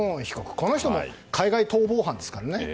この人も海外逃亡犯ですからね。